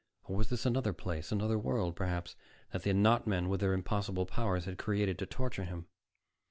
Or was this another place, another world, perhaps, that the not men, with their impossible powers, had created to torture him?